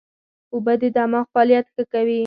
اوبه د دماغ فعالیت ښه کوي